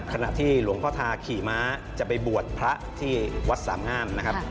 ขณะที่หลวงพ่อทาขี่ม้าจะไปบวชพระที่วัดสามงามนะครับ